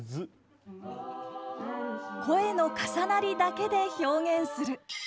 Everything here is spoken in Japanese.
声の重なりだけで表現する。